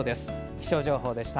気象情報でした。